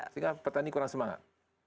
sehingga petani kurang semangat